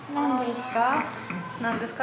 何ですか？